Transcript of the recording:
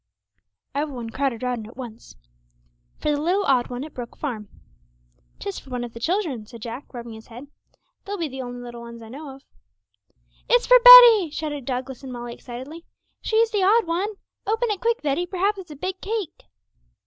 Every one crowded round at once. 'For the little odd one at Brook Farm.' ''Tis for one of the children,' said Jack, rubbing his head; 'they be the only little 'uns that I know of.' 'It's for Betty!' shouted Douglas and Molly excitedly; 'she's the odd one! Open it quick, Betty; perhaps it's a big cake.'